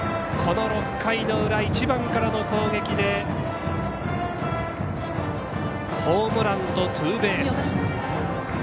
この６回の裏、１番からの攻撃でホームランとツーベース。